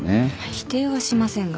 否定はしませんが。